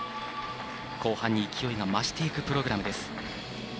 後半に勢いが増していくプログラムです。